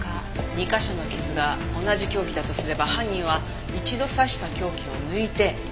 ２カ所の傷が同じ凶器だとすれば犯人は一度刺した凶器を抜いてまた刺した事に。